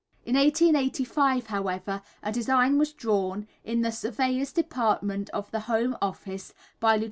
In 1885, however, a design was drawn, in the Surveyors' Department of the Home Office, by Lieut.